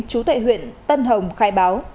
chú thệ huyện tân hồng khai báo